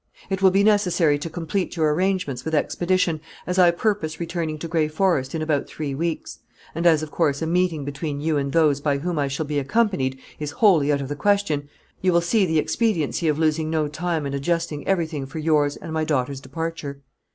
It will be necessary to complete your arrangements with expedition, as I purpose returning to Gray Forest in about three weeks; and as, of course, a meeting between you and those by whom I shall be accompanied is wholly out of the question, you will see the expediency of losing no time in adjusting everything for yours and my daughter's departure.